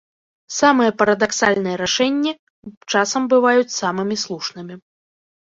Самыя парадаксальныя рашэнні часам бываюць самымі слушнымі.